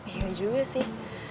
iya juga sih